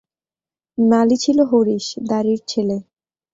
মালী ছিল হরিশ, দ্বারীর ছেলে।